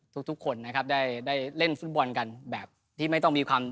ทุกคนนะครับได้เล่นฟุตบอลกันแบบที่ไม่ต้องมีความ